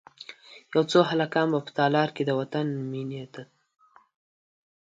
یو څو هلکان به په تالار کې، د وطن میینې ته،